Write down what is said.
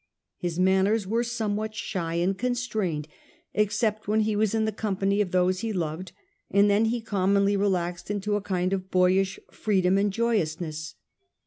His manners were somewhat shy and constrained, except when he was in the com pany of those he loved, and then he commonly re laxed into a kind of boyish freedom and joyousness.